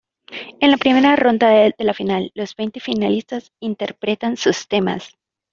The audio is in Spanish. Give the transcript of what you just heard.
En la primera ronda de la final, los veinte finalistas interpretan sus temas.